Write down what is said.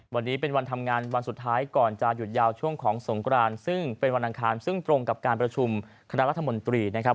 วันนี้เป็นวันทำงานวันสุดท้ายก่อนจะหยุดยาวช่วงของสงกรานซึ่งเป็นวันอังคารซึ่งตรงกับการประชุมคณะรัฐมนตรีนะครับ